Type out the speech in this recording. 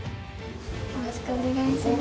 よろしくお願いします。